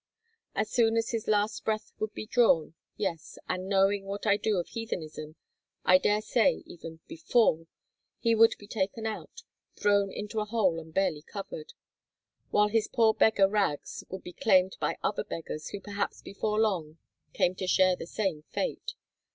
As soon as his last breath would be drawn, yes, and knowing what I do of heathenism, I dare say, even before, he would be taken out, thrown into a hole and barely covered; while his poor beggar rags would be claimed by other beggars who perhaps before long, came to share the same fate.